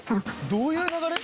どういう流れ？